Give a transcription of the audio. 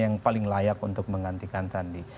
yang paling layak untuk menggantikan sandi